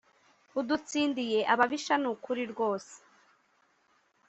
udutsindiye ababisha nukuri rwose